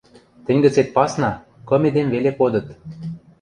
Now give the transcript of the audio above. Тӹнь гӹцет пасна, кым эдем веле кодыт.